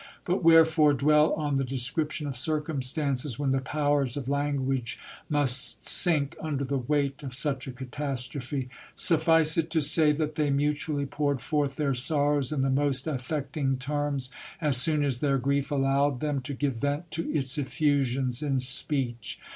^ But wherefore dwell on the description of circumstances, when the powers of language must sink under the weight of such a catastrophe ? Suffice it to say, that they mutually poured forth their sorrows in the most affecting terms, as soon as their grief allowed them to give vent to its effusions in speech.